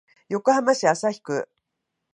横浜市旭区